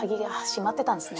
閉まってたんですね。